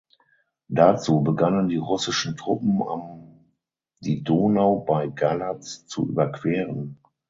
Dazu begannen die russischen Truppen am die Donau bei Galatz zu überqueren.